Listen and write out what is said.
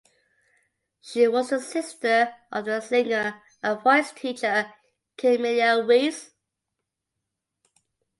She was the sister of the singer and voice teacher Camilla Wiese.